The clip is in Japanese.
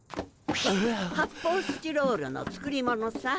発泡スチロールの作り物さ。